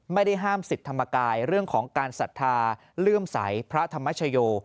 ไม่ได้ห้ามสิทธิ์ธรรมกายเรื่องของการศรัทธาเลื่อมใสพระธรรมชโย